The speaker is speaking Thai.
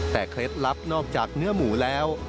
แต่เคล็ดลับนอกจากเนื้อหมูแล้ว